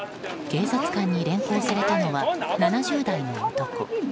警察官に連行されたのは７０代の男。